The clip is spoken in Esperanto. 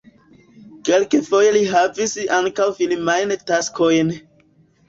Kelkfoje li havis ankaŭ filmajn taskojn.